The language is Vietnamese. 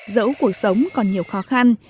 dẫu cuộc sống còn nhiều khó khăn